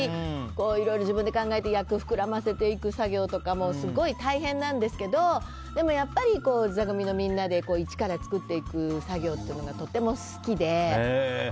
いろいろ自分で考えて役を膨らませていく作業とかもすごい大変なんですけどでも、やっぱり座組みのみんなで、一から作っていく作業がとても好きで。